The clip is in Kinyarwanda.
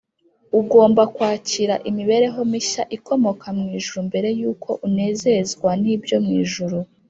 Ugomba kwakira imibereho mishya ikomoka mw’ijuru mbere yuko unezezwa n’ibyo mw’ijuru.